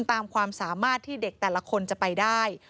ตามความสามารถที่เด็กแต่ละคนจะไปได้